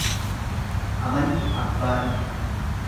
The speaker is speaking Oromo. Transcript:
Amalli abbaa dhiba.